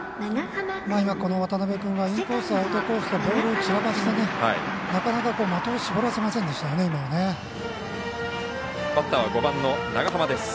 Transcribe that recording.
渡邊君はインコースアウトコースとボールを散らかしてなかなか的を絞らせませんでした。